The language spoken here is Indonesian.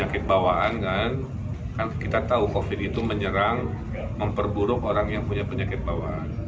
penyakit bawaan kan kita tahu covid itu menyerang memperburuk orang yang punya penyakit bawaan